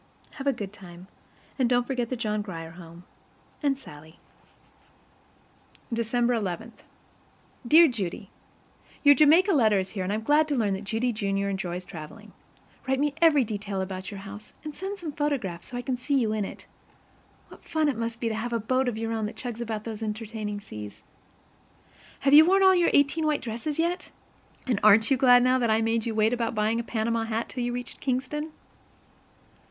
Have a good time, and don't forget the John Grier Home and SALLIE. December 11. Dear Judy: Your Jamaica letter is here, and I'm glad to learn that Judy, Junior, enjoys traveling. Write me every detail about your house, and send some photographs, so I can see you in it. What fun it must be to have a boat of your own that chugs about those entertaining seas! Have you worn all of your eighteen white dresses yet? And aren't you glad now that I made you wait about buying a Panama hat till you reached Kingston?